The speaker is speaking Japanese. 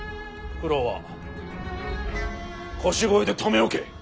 九郎は腰越で留め置け。